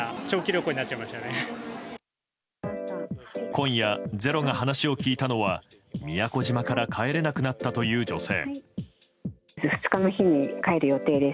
今夜「ｚｅｒｏ」が話を聞いたのは宮古島から帰れなくなったという女性。